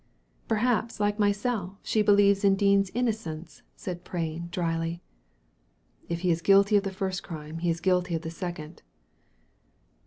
"Perhaps, like myself, she believes in Dean's innocence," said Prain, dryly. " If he is guilty of the first crime, he is guilty of the second."